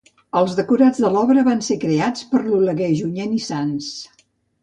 Els decorats de l'obra van ser creats per l'Oleguer Junyent i Sans.